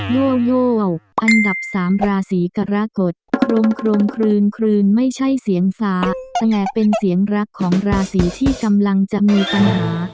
โยอันดับสามราศีกรกฎโครงคลืนคลืนไม่ใช่เสียงฟ้าแต่เป็นเสียงรักของราศีที่กำลังจะมีปัญหา